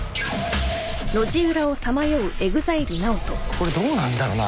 これどうなんだろうな